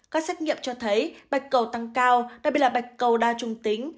các xét nghiệm cho thấy bạch cầu tăng cao đặc biệt là bạch cầu đa trung tính